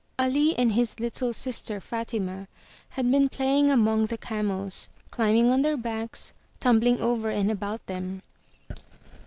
Ali and his little sister, Fatima, had been playing 308 UP ONE PAIR OF STAIRS among the camels, climbing on their backs, tumbling over and about them.